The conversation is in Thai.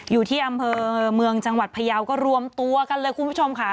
อยู่ที่อำเภอเมืองจังหวัดพยาวก็รวมตัวกันเลยคุณผู้ชมค่ะ